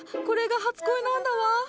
これが初恋なんだわ！